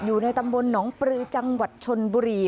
อยู่ในตำบลหนองปลือจังหวัดชนบุรี